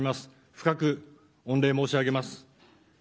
深く御礼申し上げます。